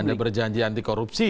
anda berjanji anti korupsi